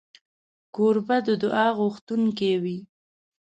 کوربه د دعا غوښتونکی وي.